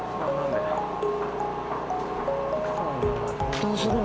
どうするの？